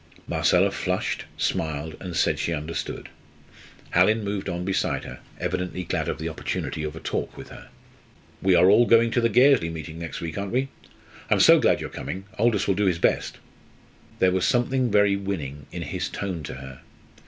Marcella flushed, smiled, and said she understood. Hallin moved on beside her, evidently glad of the opportunity of a talk with her. "We are all going together to the Gairsley meeting next week, aren't we? I am so glad you are coming. Aldous will do his best." There was something very winning in his tone to her.